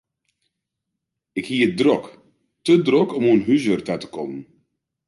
Ik hie it drok, te drok om oan húswurk ta te kommen.